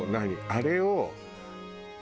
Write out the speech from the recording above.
あれを。